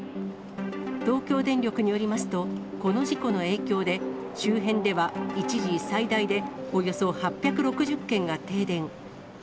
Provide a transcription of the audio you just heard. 東京電力によりますと、この事故の影響で、周辺では一時、最大でおよそ８６０軒が停電。